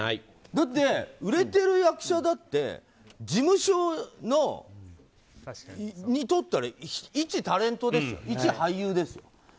だって、売れてる役者だって事務所にとったら一タレントですよ、一俳優ですよ。